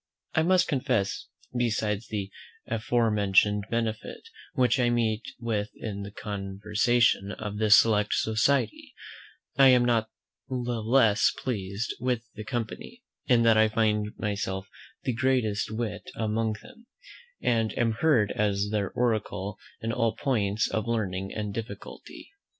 I must confess, besides the aforementioned benefit which I meet with in the conversation of this select society, I am not the less pleased with the company, in that I find myself the greatest wit among them, and am heard as their oracle in all points of learning and difficulty.